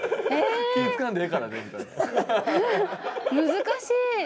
難しい。